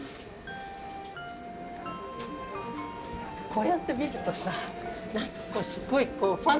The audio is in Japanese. こうやって見るとさ何かすっごい